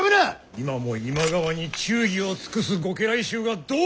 今も今川に忠義を尽くすご家来衆がどう思うか！